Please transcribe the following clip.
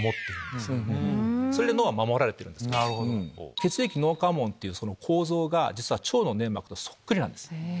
血液脳関門っていう構造が腸の粘膜にそっくりなんです。